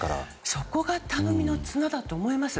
そこが頼みの綱だと思います。